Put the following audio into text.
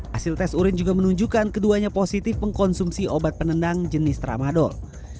hasil tes urin juga menunjukkan keduanya positif mengkonsumsi obat penendang jenis tramadol